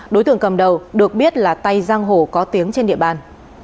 đối tượng cầm đầu được biết là tay giang hồ có tiếng trên địa bàn